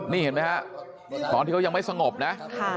นี่เห็นไหมฮะตอนที่เขายังไม่สงบนะ